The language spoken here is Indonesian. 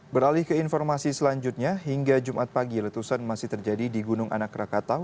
beralih ke informasi selanjutnya hingga jumat pagi letusan masih terjadi di gunung anak rakatau